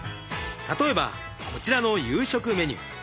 例えばこちらの夕食メニュー。